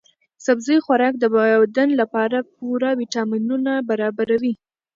سبزي خوراک د بدن لپاره پوره ويټامینونه برابروي.